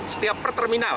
setiap per terminal